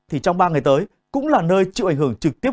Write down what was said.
thì trong ba ngày tới cũng là nơi chịu ảnh hưởng trực tiếp